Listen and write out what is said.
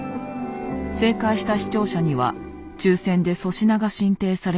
正解した視聴者には抽選で粗品が進呈されたという。